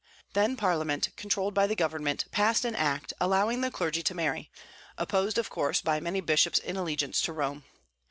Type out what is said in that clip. Then, Parliament, controlled by the Government, passed an act allowing the clergy to marry, opposed, of course, by many bishops in allegiance to Rome.